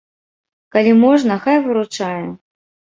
Калі можна, хай выручае.